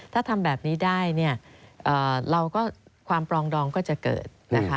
ถ้าทำแบบนี้ได้ความปลองดองก็จะเกิด